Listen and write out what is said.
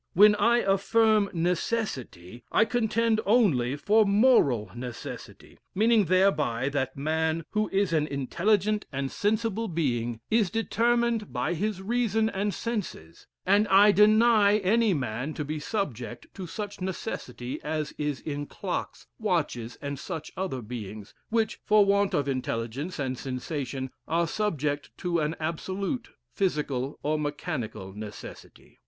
When I affirm Necessity I contend only for moral necessity; meaning thereby that man, who is an intelligent and sensible being, is determined by his reason and senses; and I deny any man to be subject to such necessity as is in clocks, watches, and such other beings, which, for want of intelligence and sensation, are subject to an absolute, physical or mechanical necessity.